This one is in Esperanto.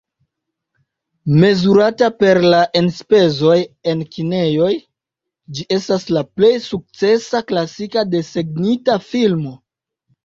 Mezurata per la enspezoj en kinejoj ĝi estas la plej sukcesa klasika desegnita filmo.